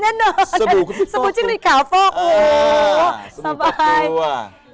แน่นอนสบู่จิ๊กหลีดขาวโฟกโอ้โฮสบายพี่ป๊อบรู้อะ